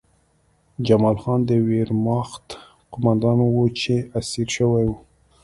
جمال خان د ویرماخت قومندان و چې اسیر شوی و